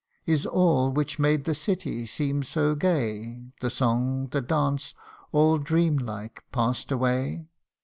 Is all which made the city seem so gay, The song, the dance, all dream like pass'd away